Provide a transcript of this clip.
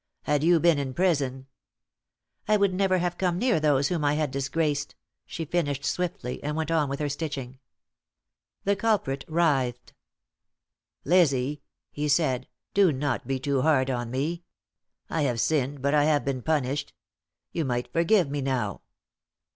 "Had you been in prison " "I would never have come near those whom I had disgraced," she finished swiftly, and went on with her stitching. The culprit writhed. "Lizzie," he said, "do not be too hard on me. I have sinned, but I have been punished. You might forgive me now."